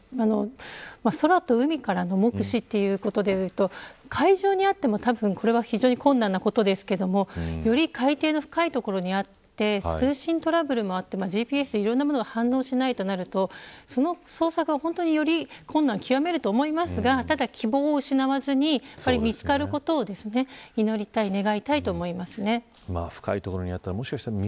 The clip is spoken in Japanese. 空と海からの目視ということで言うと海上にあっても、これは非常に困難なことですがより海底の深い所にあって通信トラブルもあってＧＰＳ、いろんなものが反応しないとなると捜索は、より困難を極めると思いますがただ希望を失わずに見つかることを祈りたい願いたいと思います。